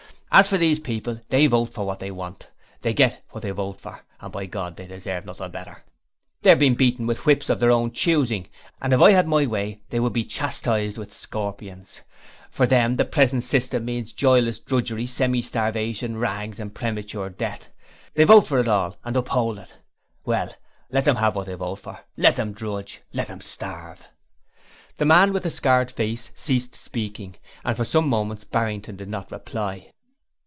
As for these people they vote for what they want; they get what they vote for; and by God, they deserve nothing better! They are being beaten with whips of their own choosing and if I had my way they should be chastised with scorpions! For them, the present system means joyless drudgery, semi starvation, rags and premature death. They vote for it all and uphold it. Well, let them have what they vote for let them drudge let them starve!' The man with the scarred face ceased speaking, and for some moments Barrington did not reply.